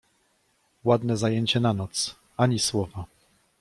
— Ładne zajęcie na noc, ani słowa!